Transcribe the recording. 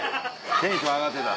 テンション上がってた。